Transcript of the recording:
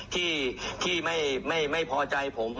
ที่ไม่พอใจผม